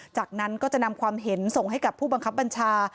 จากนั้นก็จะนำความเห็นส่งให้กับผู้บังคับบัญชา